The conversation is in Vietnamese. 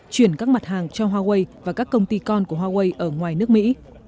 chuyển các mặt hàng cho huawei và các công ty con của huawei ở ngoài nước mỹ